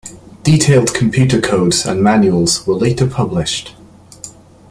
Detailed computer codes and manuals were later published.